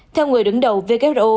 theo người đứng đầu who